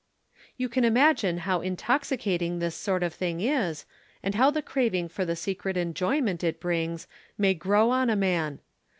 '" "'You can imagine how intoxicating this sort of thing is and how the craving for the secret enjoyment it brings may grow on a man.